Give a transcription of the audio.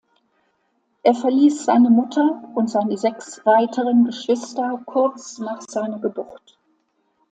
Er verließ seine Mutter und seine sechs weiteren Geschwister kurz nach seiner Geburt.